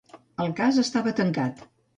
El cas estava tancat.